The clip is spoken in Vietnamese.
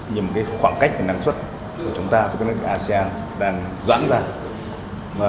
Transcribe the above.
nhưng khoảng cách năng suất của chúng ta với các nước asean đang dãng ra